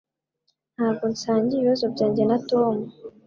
Ntabwo nsangiye ibibazo byanjye na Tom.